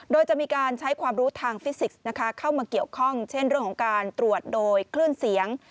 โดยจะมีการใช้ความรู้ทางฟิสิกส์นะคะเข้ามาเกี่ยวข้องเช่นเรื่องของการตรวจโดยคลื่นเสียง